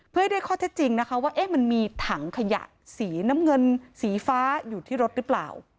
เพื่อให้ได้ข้อเท็จจริงนะคะว่ามันมีถังขยะสีน้ำเงินสีฟ้าอยู่ที่รถหรือเปล่า